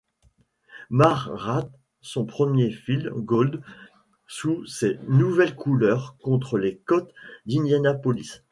Mare rate son premier field goal sous ses nouvelles couleurs, contre les Colts d'Indianapolis.